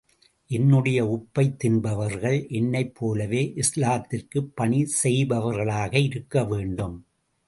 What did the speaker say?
என்னுடைய உப்பைத் தின்பவர்கள் என்னைப் போலவே இஸ்லாத்திற்குப் பணி செய்பவர்களாக இருக்க வேண்டும்.